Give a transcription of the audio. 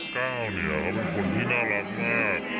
ก้าวเนี่ยเขาเป็นคนที่น่ารักมาก